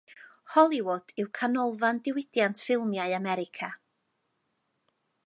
Hollywood yw canolfan diwydiant ffilmiau America.